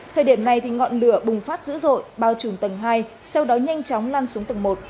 thời điểm này ngọn lửa bùng phát dữ dội bao trùm tầng hai sau đó nhanh chóng lan xuống tầng một